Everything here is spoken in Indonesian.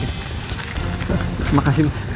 terima kasih mas